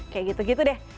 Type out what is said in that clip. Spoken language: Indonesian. kayak gitu gitu deh